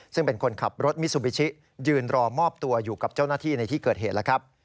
ซึ่งเป็นคนขับรถมิซูบิชิยืนรอมอบตัวอยู่กับเจ้าหน้าที่ในที่เกิดเหตุแล้วครับ